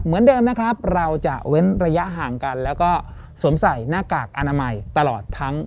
เหมือนเดิมนะครับเราจะเว้นระยะห่างกันแล้วก็สวมใส่หน้ากากอนามัยตลอดทั้ง